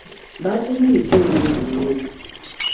Baatemye emiti mingi nnyo.